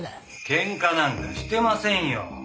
喧嘩なんかしてませんよ。